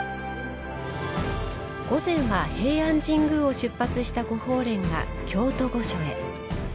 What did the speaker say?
午前は、平安神宮を出発した御鳳輦が京都御所へ。